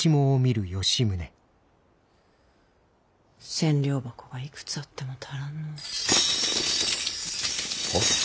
千両箱がいくつあっても足らんの。は？